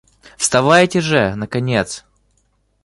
Вставайте же, наконец!